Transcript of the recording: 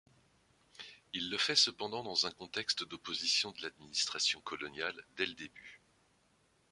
Il le fait cependant dans un contexte d'opposition de l'administration coloniale dès le début.